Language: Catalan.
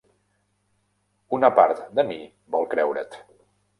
Una part de mi vol creure't.